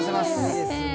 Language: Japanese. いいですね。